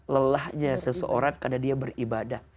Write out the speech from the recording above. lelahnya seseorang karena dia beribadah